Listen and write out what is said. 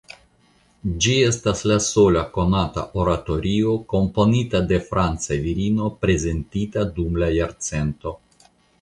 Ĝi estas la sola konata oratorio komponita de franca virino prezentita dum la jarcento.